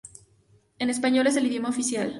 El español es el idioma oficial.